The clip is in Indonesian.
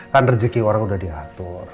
kan rezeki orang udah diatur